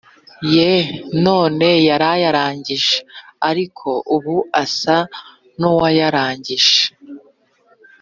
ye none yarayarangije ariko ubu asa nuwayarangije